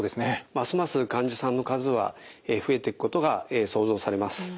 ますます患者さんの数は増えていくことが想像されます。